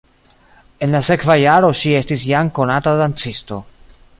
En la sekva jaro ŝi estis jam konata dancisto.